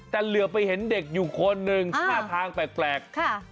แต่เหลือไปเห็นเด็กอยู่คนหนึ่งท่าทางแปลก